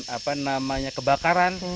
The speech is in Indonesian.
apa namanya kebakaran